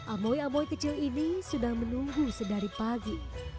amoy amoi kecil ini sudah menunggu sedari pagi